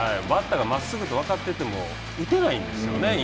バッターがまっすぐと分かってても打てないんですよね